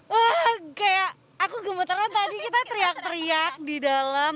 wah kayak aku gemeternya tadi kita teriak teriak di dalam